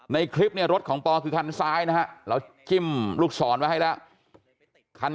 ในคลิปเนี่ยรถของปอคือคันซ้ายนะฮะเราจิ้มลูกศรไว้ให้แล้ว